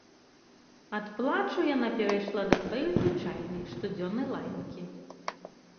Ад плачу яна перайшла да сваёй звычайнай, штодзённай лаянкі.